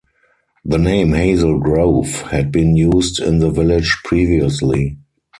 The name Hazel Grove had been used in the village previously.